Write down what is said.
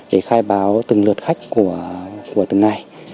để khai báo từng lượt khách của từng ngày